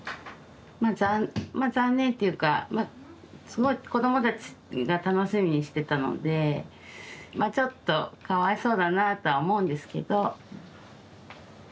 まあまあ残念っていうかまあすごい子どもたちが楽しみにしてたのでまあちょっとかわいそうだなあとは思うんですけど。